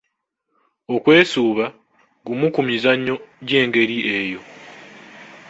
"Okwesuuba, gumu ku mizannyo egy’engeri eyo."